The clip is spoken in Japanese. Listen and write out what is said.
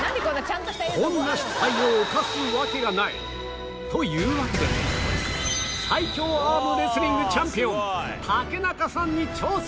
こんな失態を犯すわけがないというわけで最強アームレスリングチャンピオン竹中さんに挑戦！